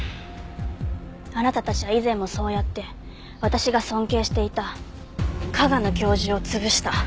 あなたたちは以前もそうやって私が尊敬していた加賀野教授を潰した。